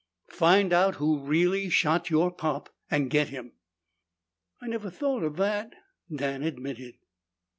"Find who really shot your pop and get him." "I never thought of that," Dan admitted.